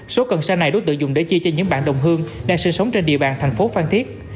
số cần sa này đối tượng dùng để chia cho những bạn đồng hương đang sinh sống trên địa bàn thành phố phan thiết